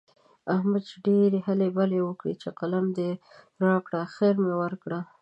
احمد ډېرې هلې بلې وکړې چې قلم دې راکړه؛ اخېر مې ورکړ.